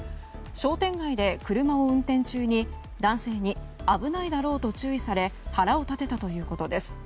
商店街で車を運転中に男性に危ないだろうと注意され腹を立てたということです。